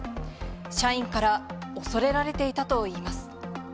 社員から恐れられていたといいます。